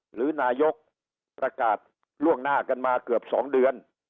หรือนายกประกาศล่วงหน้ากันมาเกือบ๒เดือน